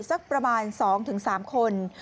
สักประมาณ๒๓คน